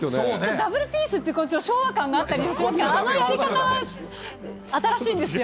ダブルピースって、昭和感あったりしますけれども、あのやり方は新しいんですよ。